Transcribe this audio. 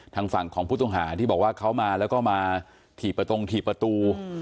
ทางฝั่งของผู้ต้องหาที่บอกว่าเขามาแล้วก็มาถีบประตงถีบประตู